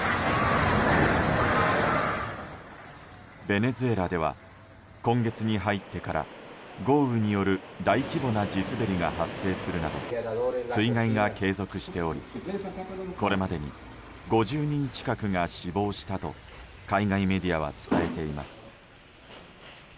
ベネズエラでは今月に入ってから豪雨による大規模な地滑りが発生するなど水害が継続しておりこれまでに５０人近くが死亡したと海外メディアは伝えています。